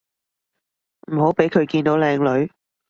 唔好畀佢見到靚女